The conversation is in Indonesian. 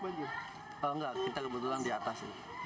oh enggak kita kebetulan di atas